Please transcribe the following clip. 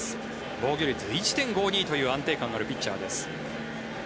防御率１．５２という安定感のあるピッチャーです。